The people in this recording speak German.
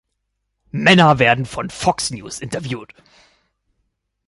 Männer werden von Fox News interviewt